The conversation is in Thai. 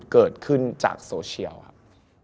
เกิดขึ้นจากโซเชียลครับ